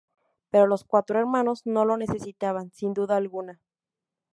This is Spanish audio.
Pero Los cuatro hermanos no lo necesitaban, sin duda alguna.